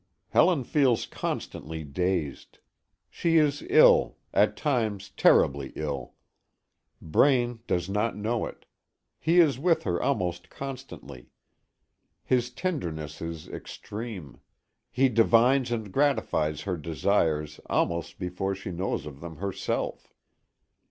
Helen feels constantly dazed. She is ill; at times, terribly ill. Braine does not know it. He is with her almost constantly. His tenderness is extreme. He divines and gratifies her desires almost before she knows of them herself.